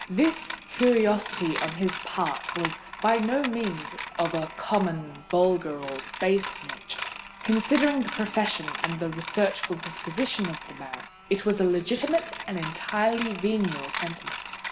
This curiosity on his part was by no means of a common, vulgar, or base nature. Considering the profession and researchful disposition of the man, it was a legitimate and entirely venial sentiment.